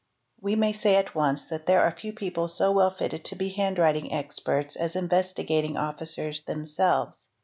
We may say at once that there are few people so well fitted to be handwriting experts as Investigating Officers themselves.